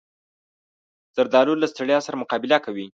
زردالو له ستړیا سره مقابله کوي.